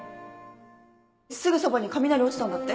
すぐそばに雷落ちたんだって？